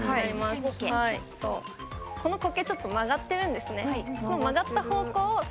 このコケちょっと曲がってるんですね。